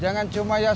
jangan cuma luar biasa